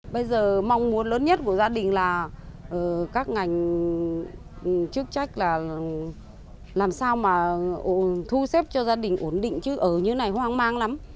bây giờ mong muốn lớn nhất của gia đình là các ngành chức trách là làm sao mà thu xếp cho gia đình ổn định chứ ở như này hoang mang lắm